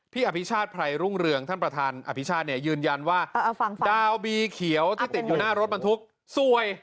อภิชาติไพรรุ่งเรืองท่านประธานอภิชาติเนี่ยยืนยันว่าดาวบีเขียวที่ติดอยู่หน้ารถบรรทุกสวย